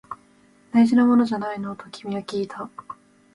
大事なものじゃないの？と君はきいた